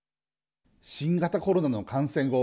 新型コロナの感染後